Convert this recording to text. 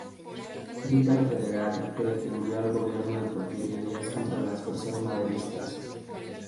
Militar Federal que defendió al Gobierno de Porfirio Díaz contra las fuerzas maderistas.